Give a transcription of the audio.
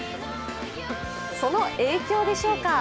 その影響でしょうか。